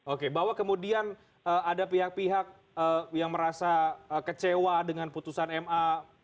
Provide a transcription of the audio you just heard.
oke bahwa kemudian ada pihak pihak yang merasa kecewa dengan putusan ma